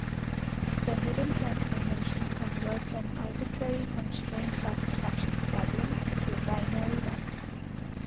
The hidden transformation converts an arbitrary constraint satisfaction problem into a binary one.